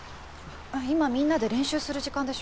今みんなで練習する時間でしょ？